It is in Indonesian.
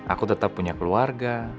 aku tetap punya keluarga